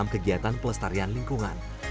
kegiatan pelestarian lingkungan